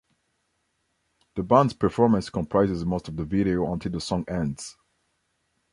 The band's performance comprises most of the video until the song ends.